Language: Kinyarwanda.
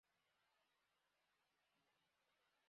Umuryango wicaye hanze yububiko